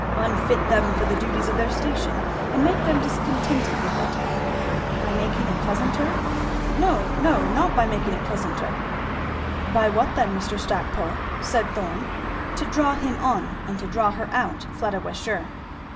"Unfit them for the duties of their station and make them discontented with it." "By making it pleasanter?" "No, no not by making it pleasanter." "By what then, Mr. Stackpole?" said Thorn, to draw him on and to draw her out, Fleda was sure.